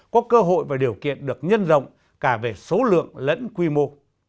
có cơ hội và điều kiện được nhân rộng cả về số lượng lẫn quy mô